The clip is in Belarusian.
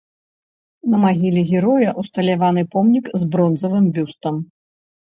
На магіле героя усталяваны помнік з бронзавым бюстам.